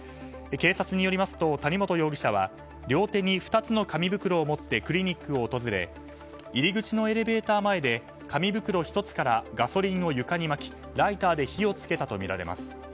警察によりますと、谷本容疑者は両手に２つの紙袋を持ってクリニックを訪れ入り口のエレベーター前で紙袋１つからガソリンを床にまきライターで火を付けたとみられます。